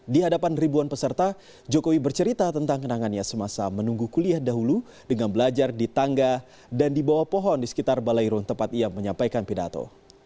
di hadapan ribuan peserta jokowi bercerita tentang kenangannya semasa menunggu kuliah dahulu dengan belajar di tangga dan di bawah pohon di sekitar balairung tempat ia menyampaikan pidato